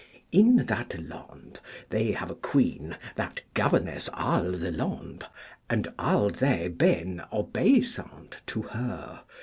In that Lond they have a Queen that governeth all the Lond, and all they ben obeyssant to her.